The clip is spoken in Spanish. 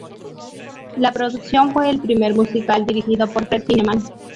La producción fue el primer musical dirigido por Fred Zinnemann.